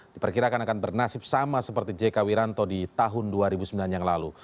diperkirakan akan bernasib sama seperti jk wiranto di tahun dua ribu sembilan yang lalu